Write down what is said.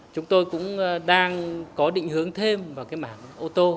chúng tôi cũng đang có định hướng thêm vào cái mảng ô tô